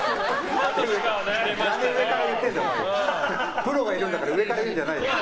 プロがいるんだから上から言うんじゃないよ。